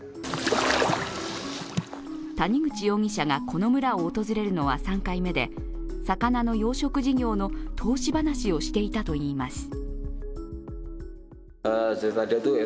谷口容疑者がこの村を訪れるのは３回目で魚の養殖事業の投資話をしていたといいます。